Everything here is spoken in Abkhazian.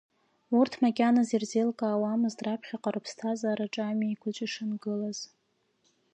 Урҭ макьаназ ирзеилкаауамызт раԥхьаҟа рыԥсҭазаараҿы амҩа еиқәаҵәа ишангылаз.